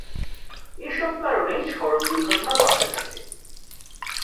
এসব কারণে সড়ক দুর্ঘটনা বাড়তে থাকে।